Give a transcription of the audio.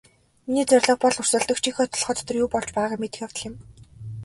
Миний зорилго бол өрсөлдөгчийнхөө толгой дотор юу болж байгааг мэдэх явдал юм.